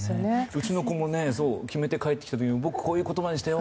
うちの子も決めて帰ってきた時僕、こういう言葉にしたよ